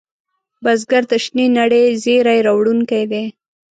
بزګر د شنې نړۍ زېری راوړونکی دی